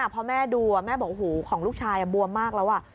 พอแม่ดูแม่บอกหูของลูกชายบวมมากแล้ว